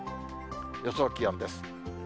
予想気温です。